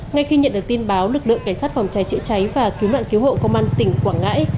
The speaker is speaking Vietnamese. ngay khi nhận được tin báo lực lượng cảnh sát phòng cháy chữa cháy và cứu nạn cứu hộ công an tỉnh quảng ngãi